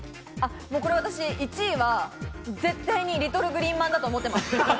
これ１位は絶対にリトルグリーンまんだと思ってます。